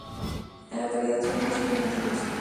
En la actualidad su nombre es simplemente Musca.